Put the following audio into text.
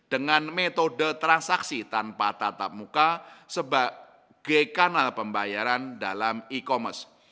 dengan metode transaksi tanpa tatap muka sebagai kanal pembayaran dalam e commerce